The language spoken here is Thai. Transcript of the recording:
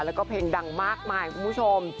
แล้วก็เพลงดังมากมายคุณผู้ชม